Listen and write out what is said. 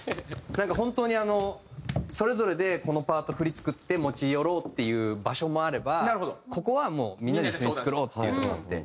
なんか本当にそれぞれでこのパート振り作って持ち寄ろうっていう場所もあればここはみんなで一緒に作ろうっていうとこもあって。